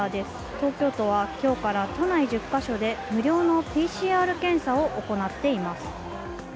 東京都は今日から都内１０ヶ所で無料のＰＣＲ検査を行っています。